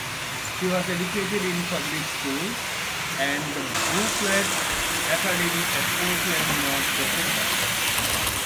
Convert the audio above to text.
He was educated in public schools and the Bruflat Academy at Portland, North Dakota.